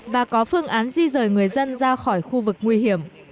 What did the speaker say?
và có phương án di rời người dân ra khỏi khu vực nguy hiểm